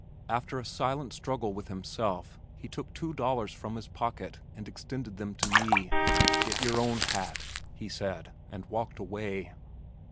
After a silent struggle with himself he took two dollars from his pocket and extended them to me. "Get your own hat," he said, and walked away.